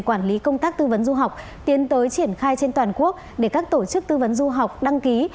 quản lý công tác tư vấn du học tiến tới triển khai trên toàn quốc để các tổ chức tư vấn du học đăng ký